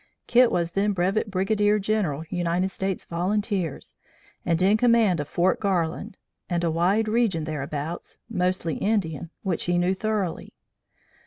'Kit' was then Brevet Brigadier General United States Volunteers, and in command of Fort Garland, and a wide region thereabouts mostly Indian which he knew thoroughly.